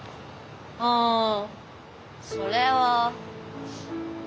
うんそれは。